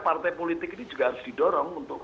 partai politik ini juga harus didorong untuk